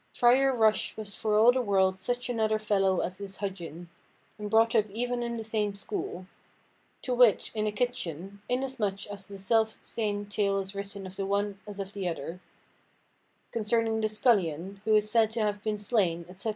Frier Rush was for all the world such another fellow as this Hudgin, and brought up even in the same schoole—to wit, in a kitchen, inasmuch as the selfe–same tale is written of the one as of the other, concerning the skullian, who is said to have beene slaine, etc.